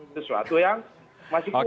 sesuatu yang masih kurang